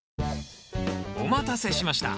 お待たせしました！